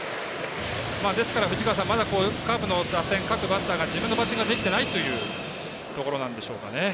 ですから、まだカープの打線各バッターが自分のバッティングできていないというところなんでしょうかね。